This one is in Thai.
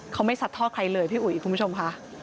เขาไม่สัดทอดใครเลยพี่อุ๋ยคุณผู้ชมค่ะ